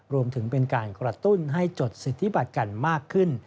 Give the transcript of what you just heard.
รวมถึงเป็นการกระตุ้นให้จดสิทธิบัติกันมากขึ้น